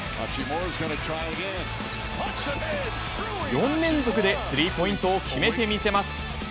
４連続でスリーポイントを決めてみせます。